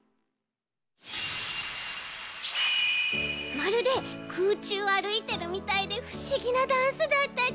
まるでくうちゅうをあるいてるみたいでふしぎなダンスだったち。